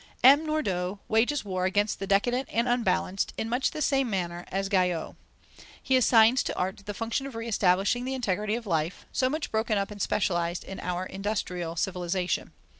M. Nordau wages war against the decadent and unbalanced, in much the same manner as Guyau. He assigns to art the function of re establishing the integrity of life, so much broken up and specialized in our industrial civilization.